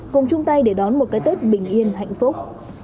cùng chung tay để đón một cái tết bình yên hạnh phúc